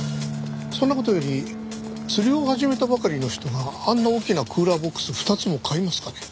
そんな事より釣りを始めたばかりの人があんな大きなクーラーボックス２つも買いますかね？